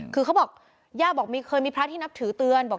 คือเขาบอกย่าบอกเคยมีพระที่นับถือเตือนบอก